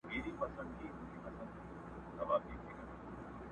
نه په حورو پسي ورک به ماشومان سي!!